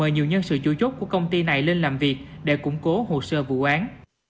nhờ nhân sự chủ chốt của công ty này lên làm việc để củng cố hồ sơ vụ án